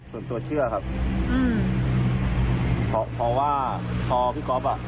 ส่วนตัวเชื่อครับอืมเพราะว่าพอพี่ก๊อฟอ่ะ